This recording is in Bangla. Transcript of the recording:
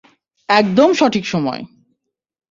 একদম সঠিক সময়!